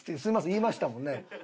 言いましたもんね。